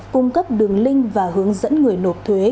cung cấp đường link và hướng dẫn người nộp thuế